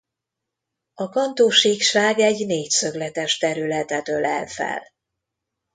A Kantó-síkság egy négyszögletes területet ölel fel.